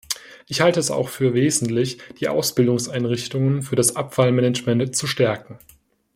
Ich halte es auch für wesentlich, die Ausbildungseinrichtungen für das Abfallmanagement zu stärken.